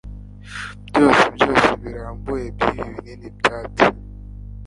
Byose byose birambuye byibi binini byatsi